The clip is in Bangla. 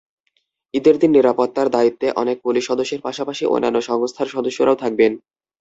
ঈদের দিন নিরাপত্তার দায়িত্বে অনেক পুলিশ সদস্যের পাশাপাশি অন্যান্য সংস্থার সদস্যরাও থাকবেন।